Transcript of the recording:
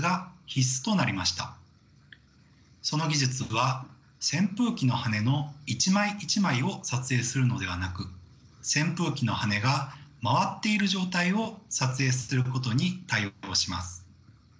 その技術は扇風機の羽根の一枚一枚を撮影するのではなく扇風機の羽根が回っている状態を撮影することに対応します。